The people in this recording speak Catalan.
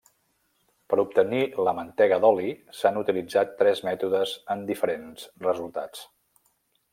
Per obtenir la mantega d'oli, s'han utilitzat tres mètodes amb diferents resultats.